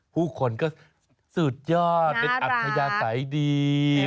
ผู้คนก็สุดยอดเป็นอัธยาศัยดี